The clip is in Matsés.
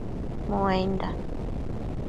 Muainda